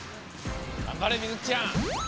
がんばれみずきちゃん。